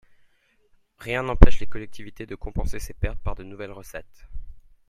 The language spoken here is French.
Rien n’empêche les collectivités de compenser ces pertes par de nouvelles recettes.